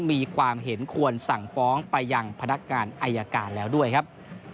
มีความเห็นควรสั่งฟ้องไปยังพนักงานอายการแล้วด้วยครับ